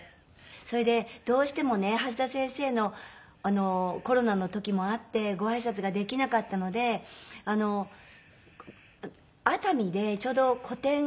それでどうしてもね橋田先生のコロナの時もあってごあいさつができなかったので熱海でちょうど個展なんていうの？